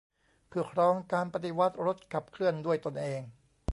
เพื่อครองการปฏิวัติรถขับเคลื่อนด้วยตนเอง